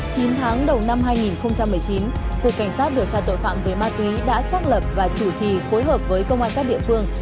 chín tháng đầu năm hai nghìn một mươi chín cục cảnh sát điều tra tội phạm về ma túy đã xác lập và chủ trì phối hợp với công an các địa phương